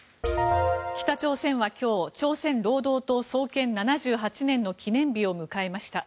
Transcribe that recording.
北朝鮮は今日朝鮮労働党創建７８年の記念日を迎えました。